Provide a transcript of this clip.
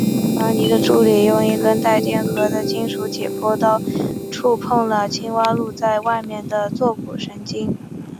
伽伐尼的助手用一根带电荷的金属解剖刀触碰了青蛙露在外面的坐骨神经。